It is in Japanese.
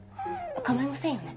構いませんよね？